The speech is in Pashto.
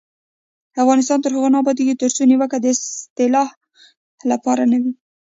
افغانستان تر هغو نه ابادیږي، ترڅو نیوکه د اصلاح لپاره نه وي.